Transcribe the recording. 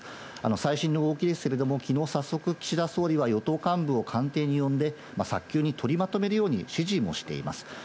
最新の動きですけれども、きのう、早速岸田総理は与党幹部を官邸に呼んで、早急に取りまとめるように指示もしています。